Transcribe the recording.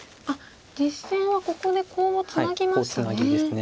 実戦はここでコウをツナぎましたね。